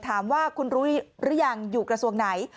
ถามว่าคุณรู้หรือยังอยู่กระทรวงไหน